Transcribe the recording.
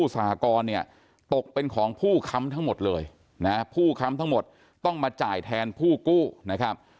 สหกรณ์เนี่ยตกเป็นของผู้ค้ำทั้งหมดเลยนะผู้ค้ำทั้งหมดต้องมาจ่ายแทนผู้กู้นะครับ